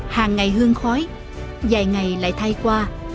hàng ngày hương khói vài ngày lại thay qua